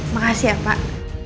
makasih ya pak